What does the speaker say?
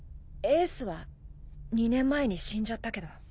エースは２年前に死んじゃったけど。